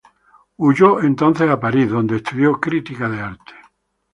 Huyó entonces a París, donde estudió crítica de arte.